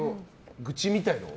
愚痴みたいなのを？